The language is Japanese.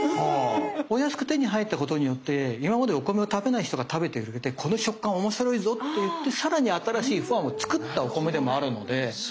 お安く手に入ったことによって今までお米を食べない人が食べてくれてこの食感面白いぞっと言ってさらに新しいファンを作ったお米でもあるので。